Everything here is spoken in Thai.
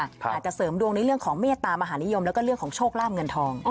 อาจจะเสริมดวงในเรื่องของเมตตามหานิยมแล้วก็เรื่องของโชคลาบเงินทอง